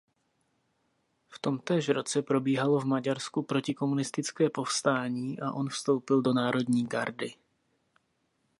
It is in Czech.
V tomtéž roce probíhalo v Maďarsku protikomunistické povstání a on vstoupil do národní gardy.